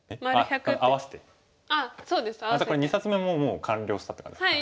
じゃあこれ２冊目ももう完了したって感じですか。